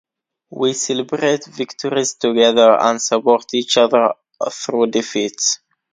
We celebrate victories together and support each other through defeats.